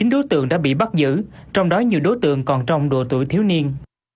chín đối tượng đã bị bắt giữ trong đó nhiều đối tượng còn trong độ tuổi thiếu niên